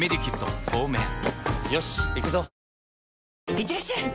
いってらっしゃい！